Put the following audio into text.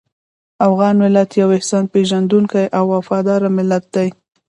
افغان ملت یو احسان پېژندونکی او وفاداره ملت دی.